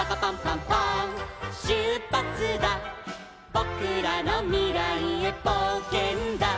「ぼくらのみらいへぼうけんだ」